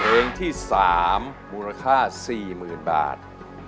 เพลงที่๓มูลค่า๔๐๐๐บาท